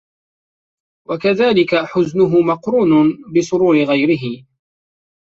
وَكَذَلِكَ حُزْنُهُ مَقْرُونٌ بِسُرُورِ غَيْرِهِ